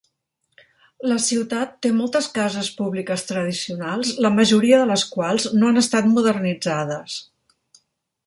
La ciutat té moltes cases públiques tradicionals, la majoria de les quals no han estat modernitzades.